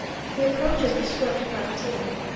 The approaches were swept by artillery.